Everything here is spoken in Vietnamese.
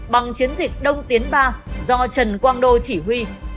bằng chiến dịch đông tiến ba do trần quang đô chỉ huy